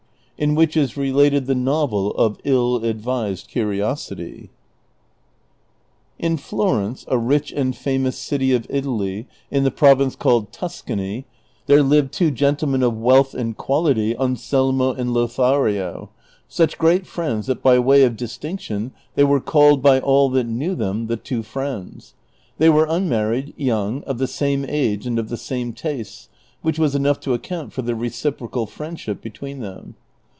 IN WHICH IS RELATED THE NOVEL OF " ILL ADVISED CURIOSITY." In Florence, a rich and famous city of Italy in tlie province called Tuscany, there lived two gentlemen of wealth and quality, Anselmo and Lothario, such great friends that by way of distinction they were called by all that loiew them "The two Friends/' They were un married, young, of the same age and of the same tastes, which was enough to account for the reciprocal friendship between them.